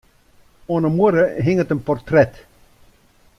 Oan 'e muorre hinget in portret.